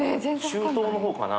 中東のほうかな？